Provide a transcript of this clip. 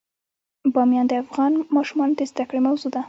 بامیان د افغان ماشومانو د زده کړې موضوع ده.